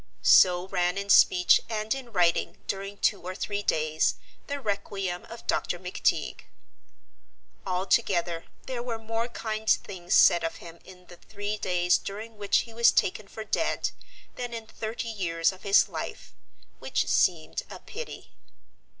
So ran in speech and in writing, during two or three days, the requiem of Dr. McTeague. Altogether there were more kind things said of him in the three days during which he was taken for dead, than in thirty years of his life which seemed a pity.